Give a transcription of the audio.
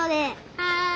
はい。